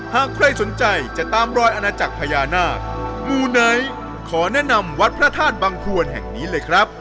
หากใครสนใจจะตามรอยอาณาจักรพญานาคมูไนท์ขอแนะนำวัดพระธาตุบังควรแห่งนี้เลยครับ